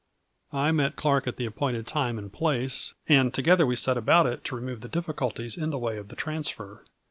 " I met Clark at the appointed time and place, and together we set about it to remove the diffi culties in the way of the transfer.